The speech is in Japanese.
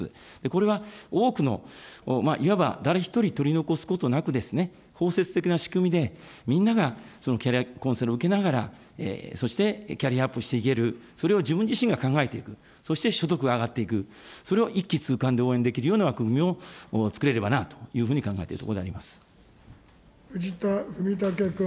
これは、多くの、いわば誰一人取り残すことなく、包摂的な仕組みでみんながキャリアコンサルを受けながら、そしてキャリアアップしていける、自分自身が考えていく、そして所得が上がっていく、それを一気通貫で応援できるような枠組みをつくれればなというふ藤田文武君。